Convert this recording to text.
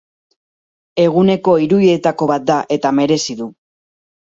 Eguneko irudietako bat da eta merezi du.